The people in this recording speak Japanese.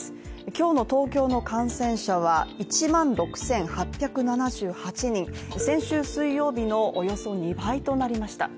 今日の東京の感染者は１万６８７８人、先週水曜日のおよそ２倍となりました。